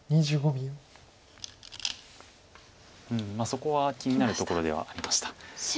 そこは気になるところではありました。